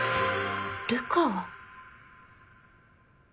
流川！